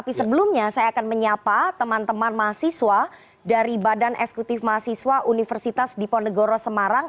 saya mau langsung saja menyiapkan teman teman mahasiswa dari badan eksekutif mahasiswa universitas diponegoro semarang